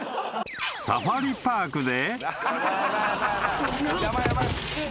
［サファリパークで］